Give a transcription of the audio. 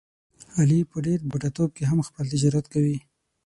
علي په ډېر بوډاتوب کې هم خپل تجارت کوي.